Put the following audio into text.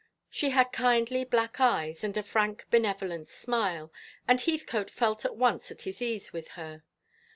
She had kindly black eyes, and a frank benevolent smile, and Heathcote felt at once at his ease with her.